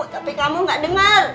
tapi kamu ga denger